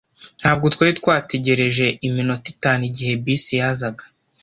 Ntabwo twari twategereje iminota itanu igihe bisi yazaga.